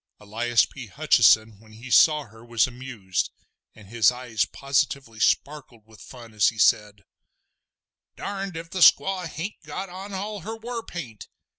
Elias P. Hutcheson when he saw her was amused, and his eyes positively sparkled with fun as he said: "Darned if the squaw hain't got on all her war paint!